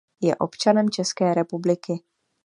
Je občanem České republiky.